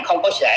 không có sẻ